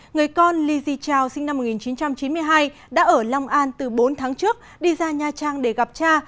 người con ly di chào sinh năm một nghìn chín trăm chín mươi hai đã ở long an từ bốn tháng trước đi ra nha trang để gặp cha